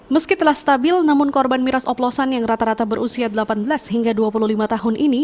meski telah stabil namun korban miras oplosan yang rata rata berusia delapan belas hingga dua puluh lima tahun ini